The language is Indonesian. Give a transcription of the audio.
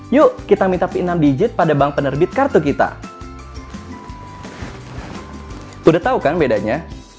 yuk kita minta pin enam digit pada bank penerbit kartu kita udah tahu kan bedanya